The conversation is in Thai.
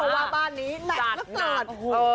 ว่าบ้านนี้แหละแล้วจัด